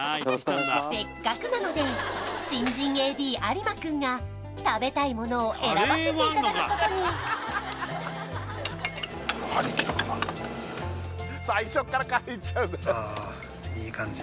せっかくなので新人ＡＤ有馬君が食べたいものを選ばせていただくことにああいい感じ